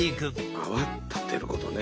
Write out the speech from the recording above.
泡立てることね。